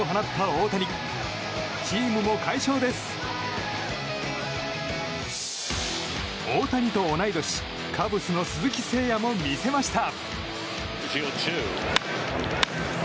大谷と同い年カブスの鈴木誠也も魅せました。